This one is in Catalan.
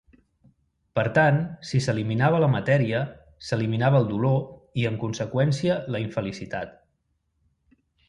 Per tant, si s'eliminava la matèria, s'eliminava el dolor i, en conseqüència, la infelicitat.